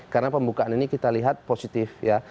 karena pembukaan ini kita lihat positif ya